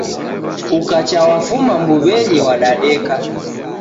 Ukacha wafuma mbuw'enyi wadadeka.